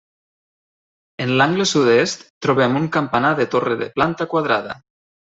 En l'angle sud-est trobem un campanar de torre de planta quadrada.